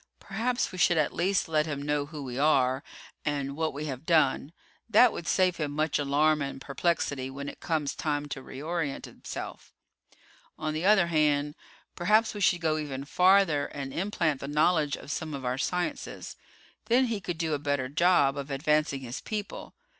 "Perhaps we should at least let him know who we are, and what we have done. That would save him much alarm and perplexity when it comes time to reorient himself. On the other hand, perhaps we should go even farther and implant the knowledge of some of our sciences. Then he could do a better job of advancing his people.